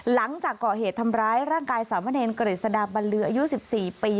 หลังจากก่อเหตุทำร้ายร่างกายสามเณรกฤษฎาบันลืออายุ๑๔ปี